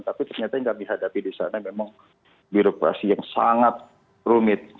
tapi ternyata tidak dihadapi di sana memang birokrasi yang sangat rumit